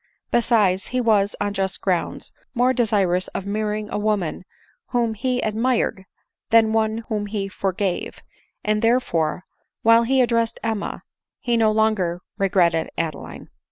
Be sides, he was, on just grounds, more desirous of marrying a woman whom he " admired, than one whom he for gave ;" and therefore, while he addressed Emma, he no longer regretted Adeline.